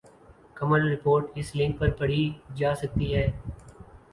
کمل report اس link پر پڑھی جا سکتی ہے ۔